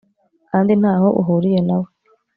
kandi ntaho uhuriye na we